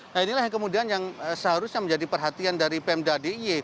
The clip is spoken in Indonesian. nah inilah yang kemudian yang seharusnya menjadi perhatian dari pemda d i y